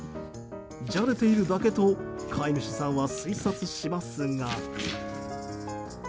じゃれているだけと飼い主さんは推察しますが。